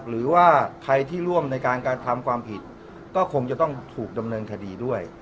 หรือว่าใครที่ร่วมในการกระทำความผิดก็คงจะต้องถูกดำเนินคดีด้วย